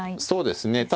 そうですね。